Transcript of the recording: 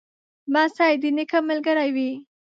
لمسی د نیکه ملګری وي.